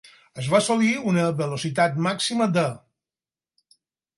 Es va assolir una velocitat màxima de.